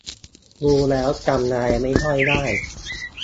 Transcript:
ดูแล้วจำอะไรไม่ค่อยได้